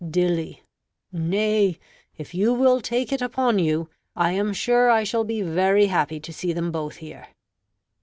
Dilly Nay, if you will take it upon you, I am sure I shall be very happy to see them both here.